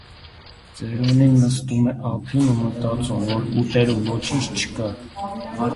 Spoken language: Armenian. Ծերունին նստում է ափին ու մտածում, որ ուտելու ոչինչ չկա։